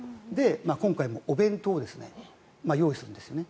今回もお弁当を用意するんですよね。